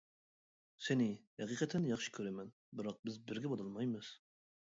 سېنى ھەقىقەتەن ياخشى كۆرىمەن، بىراق بىز بىرگە بولالمايمىز!